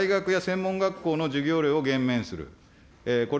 そして大学や専門学校の授業料を減免する。